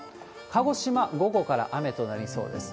鹿児島、午後から雨となりそうです。